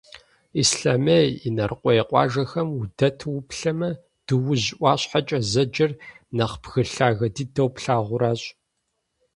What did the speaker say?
Ислъэмей, Инарыкъуей къуажэхэм удэту уплъэмэ, Дуужь ӏуащхьэкӏэ зэджэр нэхъ бгы лъагэ дыдэу плъагъуращ.